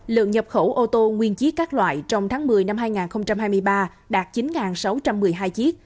lượng nhập khẩu ô tô nguyên chiếc các loại trong tháng một mươi năm hai nghìn hai mươi ba đạt chín sáu trăm một mươi hai chiếc